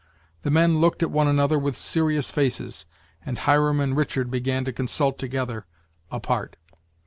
The men looked at one another with serious faces, and Hiram and Richard began to consult together, apart.